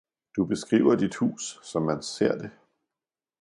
Du beskriver dit hus, så man ser det!